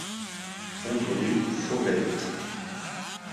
onze rue Fauvettes